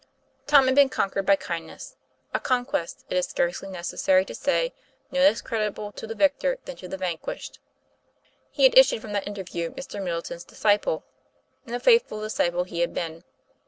Tom had been con 254 TOM PLAYFAIR. quered by kindness, a conquest, it is scarcely neces sary to say, no less creditable to the victor than to the vanquished. He had issued from that interview Mr. Middle ton's disciple; and a faithful disciple he had been.